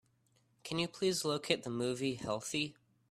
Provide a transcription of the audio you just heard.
Can you please locate the movie, Healthy?